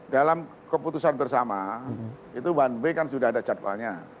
dalam keputusan bersama itu one way kan sudah ada jadwalnya